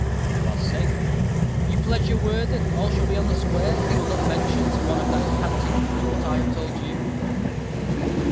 "You are safe." "You pledge your word that all shall be on the square. You will not mention to one of that canting crew what I have told you?"